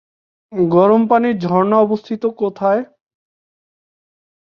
গরম পানির ঝরনা অবস্থিত কোথায়?